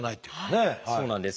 そうなんです。